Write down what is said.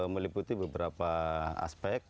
meliputi beberapa aspek